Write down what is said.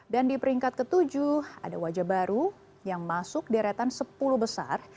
dan di peringkat ke tujuh ada wajah baru yang masuk di deretan sepuluh besar